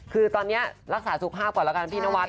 คือตอนนี้รักษาสุขภาพก่อนแล้วกันพี่นวัด